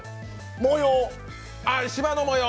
模様。